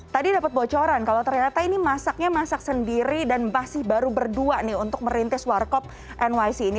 tadi dapat bocoran kalau ternyata ini masaknya masak sendiri dan masih baru berdua nih untuk merintis warkop nyc ini